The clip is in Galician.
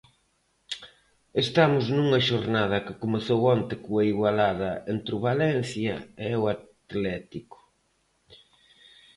Estamos nunha xornada que comezou onte coa igualada entre o Valencia e o Atlético.